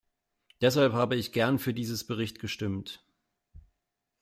Deshalb habe ich gern für dieses Bericht gestimmt.